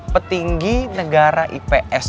petinggi negara ips